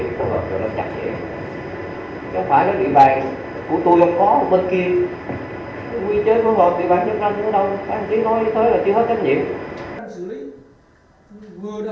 các anh tí nói thế là chưa hết trách nhiệm